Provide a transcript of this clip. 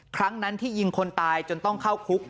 ครั้งนั้นที่ยิงคนตายจนต้องเข้าคุก